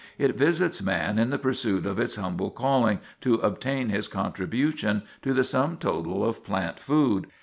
It visits man in the pursuit of its humble calling to obtain his contribution to the sum total of plant food.